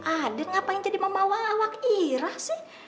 ada yang ngapain jadi memawang awak ira sih